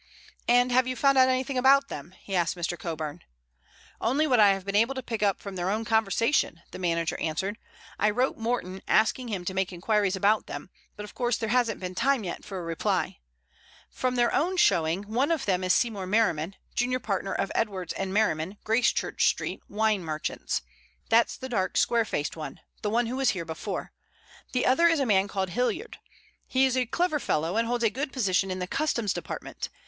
"And have you found out anything about them?" he asked Mr. Coburn. "Only what I have been able to pick up from their own conversation," the manager answered. "I wrote Morton asking him to make inquiries about them, but of course there hasn't been time yet for a reply. From their own showing one of them is Seymour Merriman, junior partner of Edwards & Merriman, Gracechurch Street, Wine Merchants. That's the dark, square faced one—the one who was here before. The other is a man called Hilliard. He is a clever fellow, and holds a good position in the Customs Department.